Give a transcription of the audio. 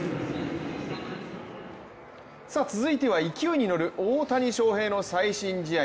続いては勢いにのる大谷翔平の最新試合。